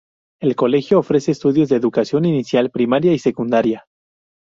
El colegio ofrece estudios de educación inicial, primaria y secundaria.